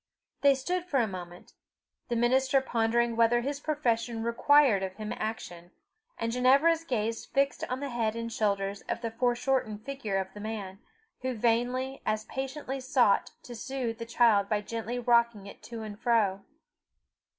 They stood for a moment, the minister pondering whether his profession required of him action, and Ginevra's gaze fixed on the head and shoulders of the foreshortened figure of the man, who vainly as patiently sought to soothe the child by gently rocking it to and fro.